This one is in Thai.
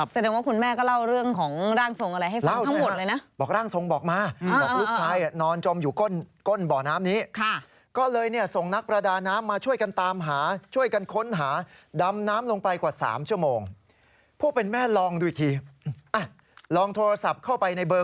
แสดงว่าคุณแม่ก็เล่าเรื่องของร่างทรงอะไร